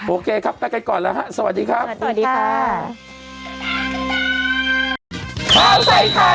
โอเคครับไปกันก่อนแล้วฮะสวัสดีครับ